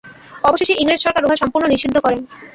অবশেষে ইংরেজ সরকার উহা সম্পূর্ণ নিষিদ্ধ করেন।